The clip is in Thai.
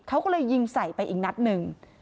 เขาก็เลยยิงใส่ไปอีกนัดหนึ่ง